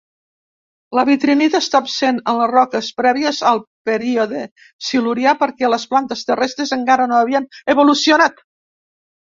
La vitrinita està absent en les roques prèvies al període Silurià perquè les plantes terrestres encara no havien evolucionat.